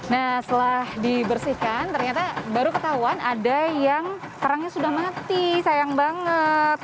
nah setelah dibersihkan ternyata baru ketahuan ada yang kerangnya sudah mati sayang banget